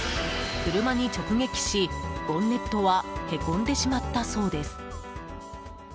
車に直撃し、ボンネットはへこんでしまったそうです。